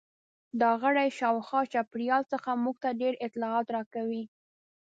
دا غړي شاوخوا چاپیریال څخه موږ ته ډېر اطلاعات راکوي.